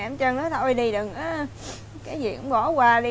em chân nói thôi đi đừng cái gì cũng bỏ qua đi